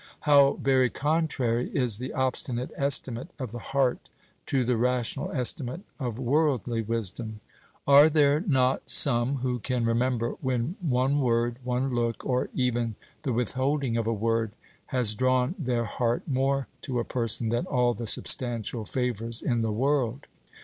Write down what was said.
How very contrary is the obstinate estimate of the heart to the rational estimate of worldly wisdom! Are there not some who can remember when one word, one look, or even the withholding of a word, has drawn their heart more to a person than all the substantial favors in the world?